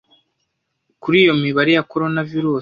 kuri iyo mibare ya coronavirus.